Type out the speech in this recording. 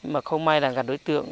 mà không may là gặp đối tượng